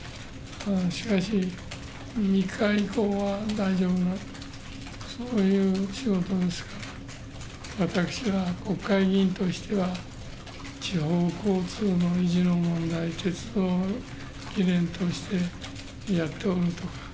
しかし、３日以降は大丈夫だ、そういう仕事ですから、私は国会議員としては地方交通の維持の問題、鉄道議連としてやっておると。